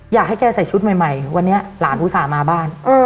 อยากให้แกใส่ชุดใหม่วันนี้หลานอุตส่าห์มาบ้าน